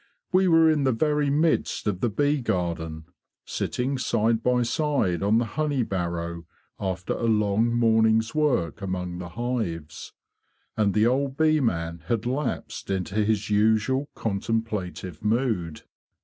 We were in the very midst of the bee garden, sitting side by side on the honey barrow after a long morning's work among the hives; and the old bee man had lapsed into his usual contemplative mood.